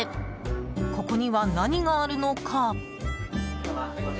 ここには何があるのか。